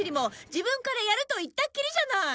自分からやると言ったっきりじゃない！